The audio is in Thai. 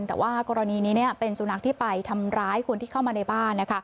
แต่ว่ากรณีนี้เป็นสุนัขที่ไปทำร้ายคนที่เข้ามาในบ้าน